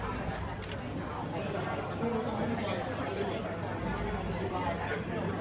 ถ้าเกิดตอนนี้ก็ไม่มีความรู้สึกนะครับถ้าเกิดตอนนี้ก็ไม่มีความรู้สึกนะครับ